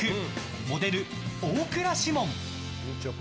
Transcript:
モデル、大倉士門。